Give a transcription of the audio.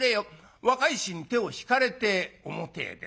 若い衆に手を引かれて表へ出ます。